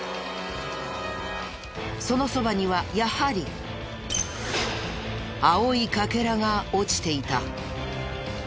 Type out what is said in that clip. そのそばにはやはり青い欠片が落ちていた。